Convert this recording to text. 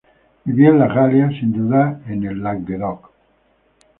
Vivía en las Galias, sin duda en el Languedoc.